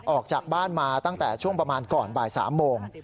ออกจากบ้านมาตั้งแต่ช่วงประมาณก่อนบ่าย๓โมง